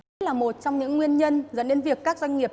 nhất là một trong những nguyên nhân dẫn đến việc các doanh nghiệp